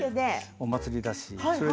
お祭りだし。